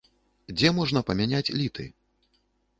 Дзе можна памяняць літы?